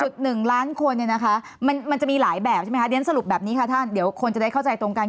ท่านคนมันจะมีหลายแบบใช่ไหมคะสรุปแบบนี้ค่ะท่านเดี๋ยวคนจะได้เข้าใจตรงกัน